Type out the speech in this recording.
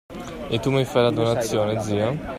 E tu mi fai la donazione, zia?